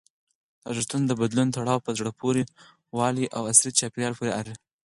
د ارزښتونو د بدلون تړاو په زړه پورې والي او عصري چاپېریال پورې دی.